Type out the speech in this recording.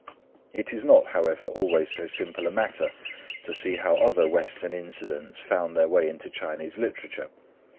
It is not, however, always so simple a matter to see how other Western incidents found their way into Chinese literature.